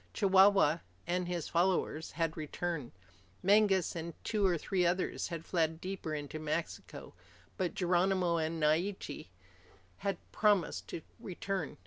Chihuahua and his followers had returned. Mangas and two or three others had fled deeper into Mexico, but Geronimo and Naiche had promised to return.